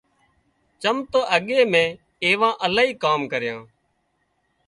چم تو اڳي مين ايوان الاهي ڪام ڪريان